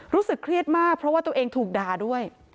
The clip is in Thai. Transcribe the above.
รู้สึกเครียดมากเพราะว่าตัวเองถูกด่าด้วย